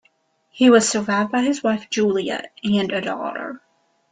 He was survived by his wife, Julia, and a daughter.